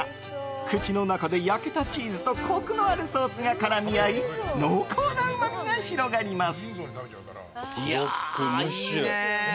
口の中で焼けたチーズとコクのあるソースが絡み合い濃厚なうまみが広がります。